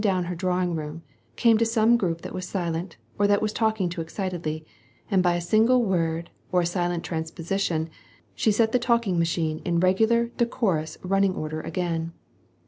m her drawing room, came to some group that was silent, or that was talking too excitedly, and by a single word or a slight transposition, set the talking machine in regular deco rous running order again.